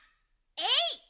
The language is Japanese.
えい！